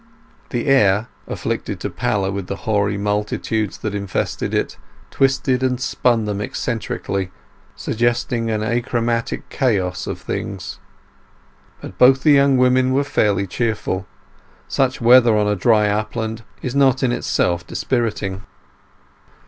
The air, afflicted to pallor with the hoary multitudes that infested it, twisted and spun them eccentrically, suggesting an achromatic chaos of things. But both the young women were fairly cheerful; such weather on a dry upland is not in itself dispiriting.